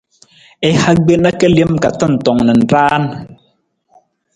I ha gbena ka lem ka tantong na raan.